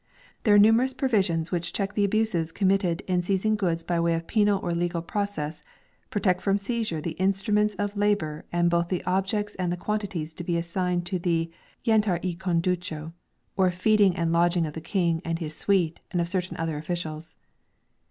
There are numerous provisions which check the abuses committed in seizing goods by way of penal or legal process, protect from seizure the instruments of labour and both the objects and the quantities to be assigned to the "yantar y conducho " or feeding and lodging of the King and his suite and of certain other officials.